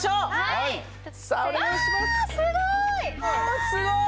あすごい！